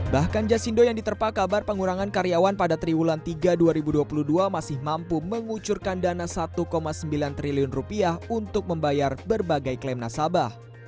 bahkan jasindo yang diterpa kabar pengurangan karyawan pada triwulan tiga dua ribu dua puluh dua masih mampu mengucurkan dana rp satu sembilan triliun rupiah untuk membayar berbagai klaim nasabah